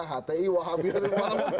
hti wahabi hantarim mahmud